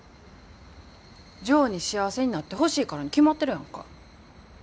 ジョーに幸せになってほしいからに決まってるやんか。